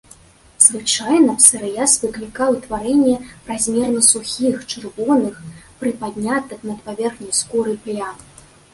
Звычайна псарыяз выклікае ўтварэнне празмерна сухіх, чырвоных, прыпаднятых над паверхняй скуры плям.